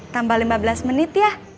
tambah lima belas menit ya